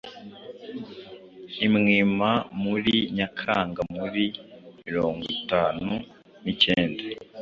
i Mwima muri Nyakanga muri mirongwitanu nicyenda